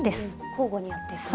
交互にやっていくんだ。